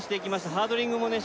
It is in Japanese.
ハードリングもね